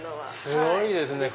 すごいですね。